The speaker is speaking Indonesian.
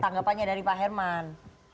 tanggapannya dari pak herman